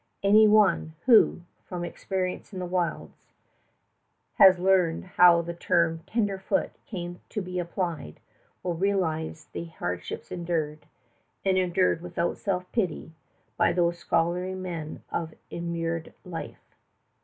Any one, who, from experience in the wilds, has learned how the term "tenderfoot" came to be applied, will realize the hardships endured and endured without self pity by these scholarly men of immured life.